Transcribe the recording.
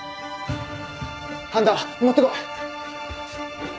半田持ってこい！